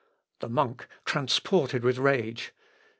The Monk (transported with rage).